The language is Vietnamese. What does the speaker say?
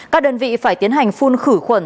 các đơn vị phải tiến hành phun khử khuẩn